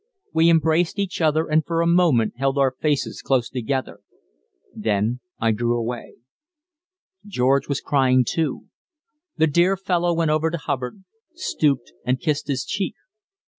We embraced each other, and for a moment held our faces close together. Then I drew away. George was crying, too. The dear fellow went over to Hubbard, stooped and kissed his cheek.